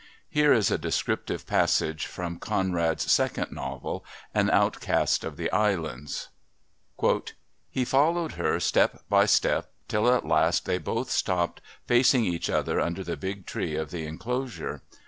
Here is a descriptive passage from Conrad's second novel, An Outcast of the Islands: "He followed her step by step till at last they both stopped, facing each other under the big tree of the enclosure.